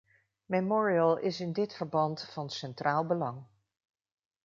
Memorial is in dit verband van centraal belang.